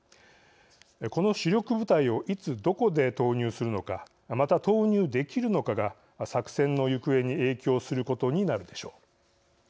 この主力部隊をいつどこで投入するのかまた投入できるのかが作戦の行方に影響することになるでしょう。